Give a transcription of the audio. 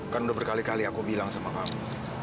kan udah berkali kali aku bilang sama kamu